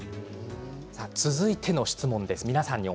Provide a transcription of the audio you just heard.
続いての質問です。